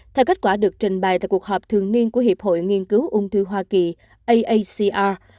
theo kết quả được trình bày tại cuộc họp thường niên của hiệp hội nghiên cứu ung thư hoa kỳ aacr